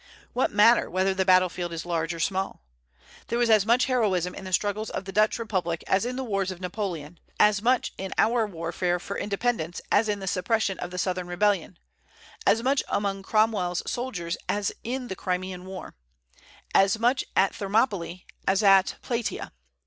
What matter, whether the battlefield is large or small? There was as much heroism in the struggles of the Dutch republic as in the wars of Napoleon; as much in our warfare for independence as in the suppression of the Southern rebellion; as much among Cromwell's soldiers as in the Crimean war; as much at Thermopylae as at Plataea.